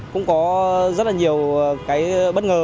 cũng có rất là nhiều cái bất ngờ